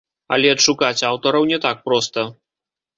Але адшукаць аўтараў не так проста.